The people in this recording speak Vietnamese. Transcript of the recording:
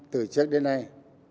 từ trước đến nay